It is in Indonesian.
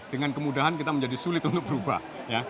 dengan kemudahan kita menjadi sulit untuk berubah